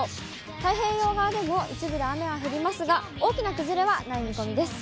太平洋側でも一部で雨が降りますが、大きな崩れはない見込みです。